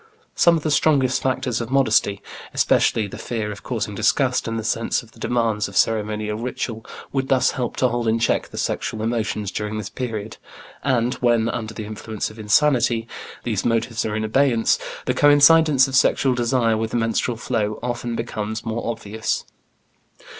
Some of the strongest factors of modesty, especially the fear of causing disgust and the sense of the demands of ceremonial ritual, would thus help to hold in check the sexual emotions during this period, and when, under the influence of insanity, these motives are in abeyance, the coincidence of sexual desire with the menstrual flow often becomes more obvious.